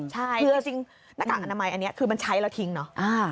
ใช่คือเอาจริงหน้ากากอนามัยอันนี้คือมันใช้แล้วทิ้งเนอะ